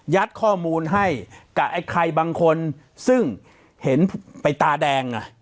ข้อมูลให้กับไอ้ใครบางคนซึ่งเห็นไปตาแดง